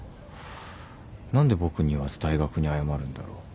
何で僕に言わず大学に謝るんだろう。